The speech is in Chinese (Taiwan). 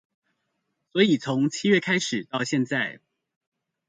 所以從七月開始到現在